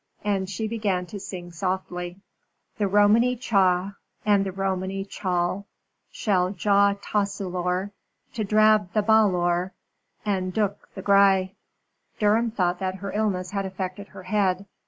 And she began to sing softly: "'The Romany cha, And the Romany chal, Shall jaw tasulor, To drab the bawlor, And dook the gry.'" Durham thought that her illness had affected her head.